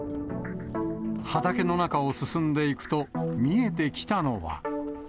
畑の中を進んでいくと、見えてきたのは。